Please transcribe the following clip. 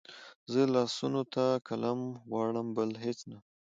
زه لاسونو ته قلم غواړم بل هېڅ نه